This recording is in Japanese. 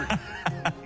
ハッハハ。